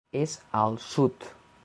És al sud!